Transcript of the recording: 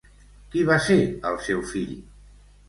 Qui va ser el seu fill?